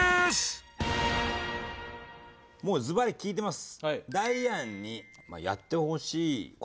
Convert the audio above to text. もうすばり聞いてます。